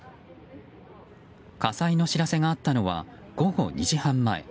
火災の知らせがあったのは午後２時半前。